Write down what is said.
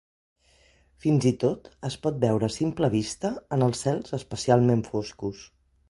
Fins i tot es pot veure a simple vista en cels especialment foscos.